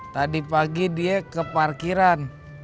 tadi pagi dia ke parkiran